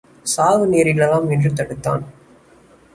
சாவு நேரிடலாம்! என்று தடுத்தான்.